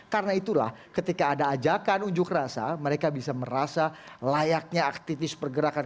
karena itulah ketika ada ajakan unjuk rasa mereka bisa merasa layaknya aktivis pergerakan